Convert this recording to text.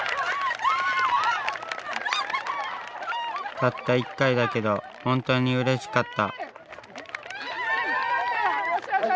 たった１回だけど本当にうれしかった。